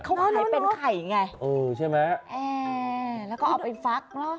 เขาขายเป็นไข่ไงเออใช่ไหมอ่าแล้วก็เอาไปฟักเนอะ